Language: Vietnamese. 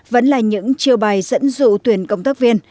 vẫn là những chiêu bài dẫn dụ tuyển công tác viên